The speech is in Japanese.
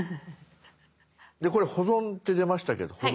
でこれ「保存」って出ましたけど保存。